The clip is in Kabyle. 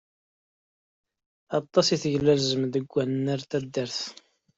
Aṭas i teglalzem deg wannar n taddart.